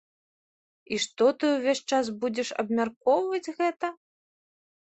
І што ты ўвесь час будзеш абмяркоўваць гэта?